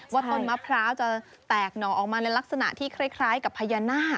ต้นมะพร้าวจะแตกหน่อออกมาในลักษณะที่คล้ายกับพญานาค